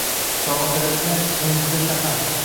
Sog‘intiradigan mo‘jiza shahar